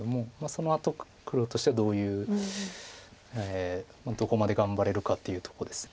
そのあと黒としてはどういうどこまで頑張れるかっていうとこです。